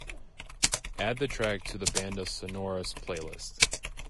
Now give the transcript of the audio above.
Add the track to the bandas sonoras playlist.